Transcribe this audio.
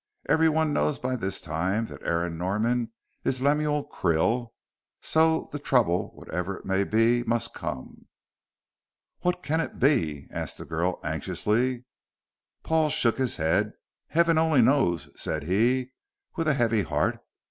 Everyone knows by this time that Aaron Norman is Lemuel Krill, so the trouble whatever it may be, must come." "What can it be?" asked the girl anxiously. Paul shook his head. "Heaven only knows," said he, with a heavy heart.